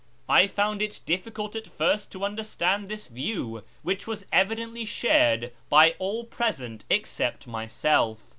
I found it difficult at first to understand this view, which was evidently shared by all present except myself.